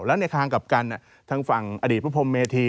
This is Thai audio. แล้วในทางกลับกันทางฝั่งอดีตพระพรมเมธี